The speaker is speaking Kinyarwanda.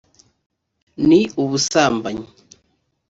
ni ubusambanyi